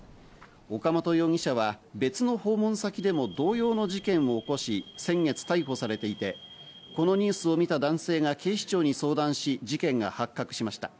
岡本容疑者は別の訪問先でも同様の事件を起こし先月逮捕されていて、このニュースを見た男性が警視庁に相談し、事件が発覚しました。